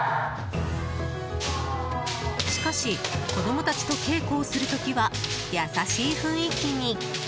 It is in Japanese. しかし、子供たちと稽古をする時は優しい雰囲気に。